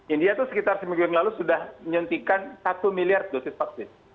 india itu sekitar seminggu yang lalu sudah menyuntikan satu miliar dosis vaksin